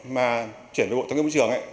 mà chuyển về bộ tài nguyên và môi trường